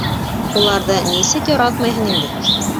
— Уларҙы нисек яратмайһың инде.